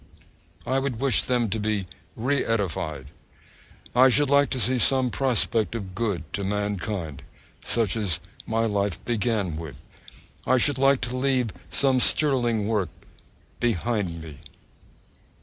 I would wish them to be re edified. I should like to see some prospect of good to mankind, such as my life began with. I should like to leave some sterling work behind me.